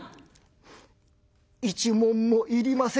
「１文もいりません」。